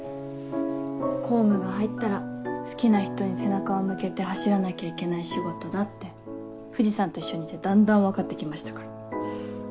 公務が入ったら好きな人に背中を向けて走らなきゃいけない仕事だって藤さんと一緒にいてだんだん分かって来ましたから。